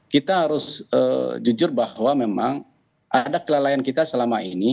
kita harus jujur bahwa memang ada kelalaian kita selama ini